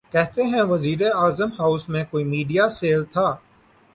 کہتے ہیں کہ وزیراعظم ہاؤس میں کوئی میڈیا سیل تھا۔